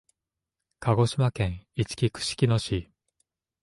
鹿児島県いちき串木野市